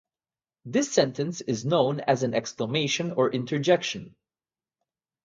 This sentence is known as an exclamation or interjection.